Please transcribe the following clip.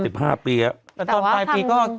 เหลือ๑๘พีครับ